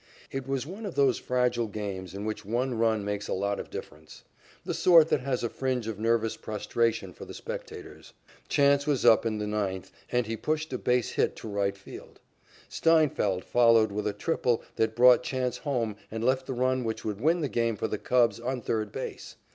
It was one of those fragile games in which one run makes a lot of difference, the sort that has a fringe of nervous prostration for the spectators. Chance was up first in the ninth and he pushed a base hit to right field. Steinfeldt followed with a triple that brought Chance home and left the run which would win the game for the Cubs on third base.